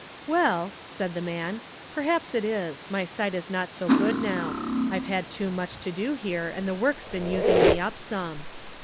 "Well," said the man, "perhaps it is, my sight is not so good now. I've had too much to do here and the work's been using me up some."